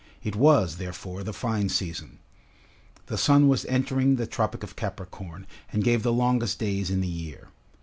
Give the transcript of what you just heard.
It was, therefore, the fine season. The sun was entering the tropic of Capricorn, and gave the longest days in the year.